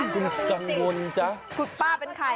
ขุมกังวลจ้ะป้าเป็นใคร